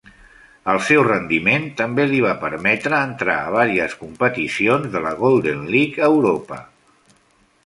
El seu rendiment també li va permetre entrar a vàries competicions de la Golden League a Europa.